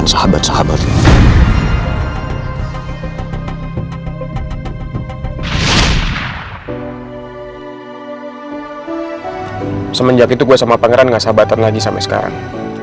semenjak itu gue sama pangeran gak sahabatan lagi sampe sekarang